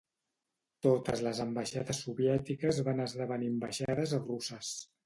Totes les ambaixades soviètiques van esdevenir ambaixades russes.